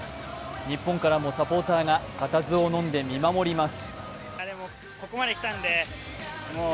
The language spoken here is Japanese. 日本からもサポーターが固唾をのんで見守ります。